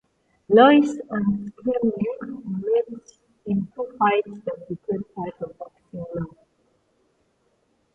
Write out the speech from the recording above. Louis and Schmeling met in two fights that became part of boxing lore.